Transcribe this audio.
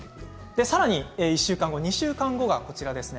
さらに１週間後２週間後がこちらですね。